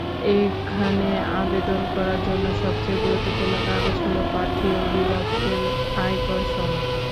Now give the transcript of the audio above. এখানে আবেদন করার জন্য সবচেয়ে গুরুত্বপূর্ণ কাগজ হলো প্রার্থীর অভিভাবকের আয়কর সনদ।